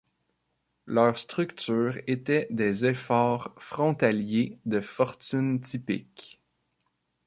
Leurs structures étaient des efforts frontaliers de fortune typiques.